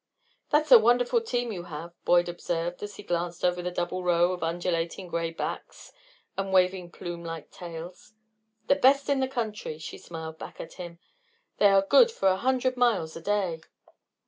"That's a wonderful team you have," Boyd observed, as he glanced over the double row of undulating gray backs and waving plume like tails. "The best in the country," she smiled back at him. "They are good for a hundred miles a day."